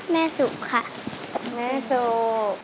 แม่สูบค่ะแม่สูบ